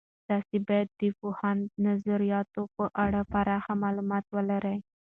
تاسې باید د پوهاند نظریاتو په اړه پراخ معلومات ولرئ.